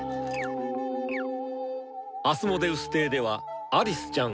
アスモデウス邸では「アリスちゃん